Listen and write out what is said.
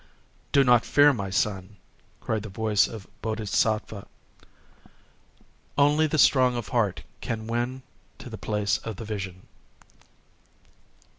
"Do not fear, my son!" cried the voice of the Bodhisattva;—"only the strong of heart can win to the place of the Vision!"